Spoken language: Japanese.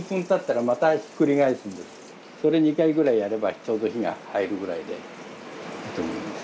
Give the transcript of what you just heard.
それ２回ぐらいやればちょうど火が入るぐらいでいいと思います。